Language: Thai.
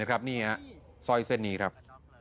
นี่สร้อยเส้นนี้ครับ